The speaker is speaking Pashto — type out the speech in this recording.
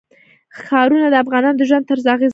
ښارونه د افغانانو د ژوند طرز اغېزمنوي.